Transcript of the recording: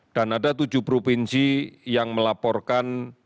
dan ada tujuh provinsi yang melaporkan